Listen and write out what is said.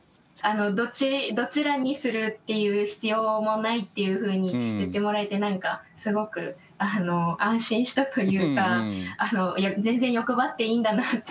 どちらにするっていう必要もないっていうふうに言ってもらえて何かすごく安心したというか全然欲張っていいんだなって思えました。